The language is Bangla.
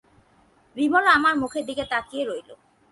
বিমলা আমার মুখের দিকে তাকিয়ে রইল।